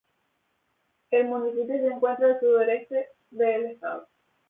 El municipio se encuentra al Suroeste del estado.